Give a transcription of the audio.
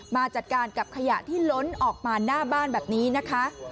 มาจัดการกับขยะที่ล้นออกมาหน้าบ้านแบบนี้นะคะ